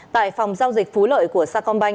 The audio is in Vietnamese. tại phòng giao dịch phú lợi của sao công banh